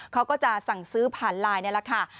เขาก็จะสั่งซื้อผ่านไลน์นี่แหละค่ะ